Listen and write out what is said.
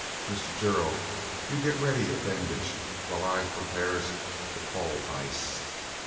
Mister Gerald, you git riddy a bandige, whiles I purpares the powltiss."